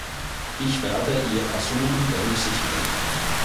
Ich werde Ihr Ersuchen berücksichtigen.